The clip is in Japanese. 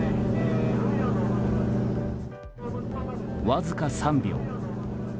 わずか３秒。